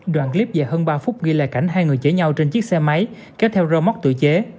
đoạn clip dài hơn ba phút ghi lại cảnh hai người chở nhau trên chiếc xe máy kéo theo rơ móc tự chế